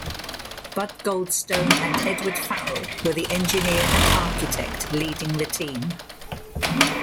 Bud Goldstone and Edward Farrell were the engineer and architect leading the team.